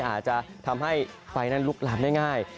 อาจจะทำให้ไฟนั้นลุกลามได้ง่าย